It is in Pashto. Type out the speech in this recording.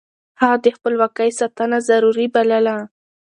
هغه د خپلواکۍ ساتنه ضروري بلله.